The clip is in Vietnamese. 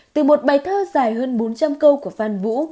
từ một bài thơ dài hơn bốn trăm linh câu của phan vũ